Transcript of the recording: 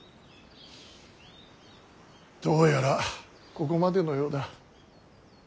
どうやらここまでのようだ。